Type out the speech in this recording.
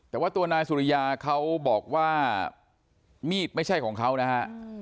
แต่ว่าตัวนายสุริยาเขาบอกว่ามีดไม่ใช่ของเขานะฮะ